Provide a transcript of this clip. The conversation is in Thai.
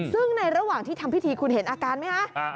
ซึ่งในระหว่างที่ทำพิธีคุณเห็นอาการไหมคะ